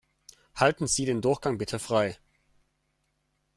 Halten Sie den Durchgang bitte frei!